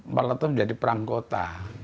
malah itu menjadi perang kota